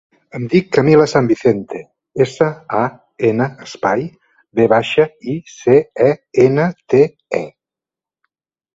Em dic Camila San Vicente: essa, a, ena, espai, ve baixa, i, ce, e, ena, te, e.